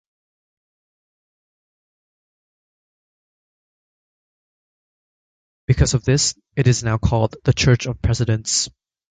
Because of this, it is now called the Church of Presidents.